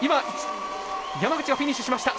山口がフィニッシュしました。